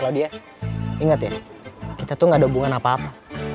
claudia inget ya kita tuh gak ada hubungan apa apa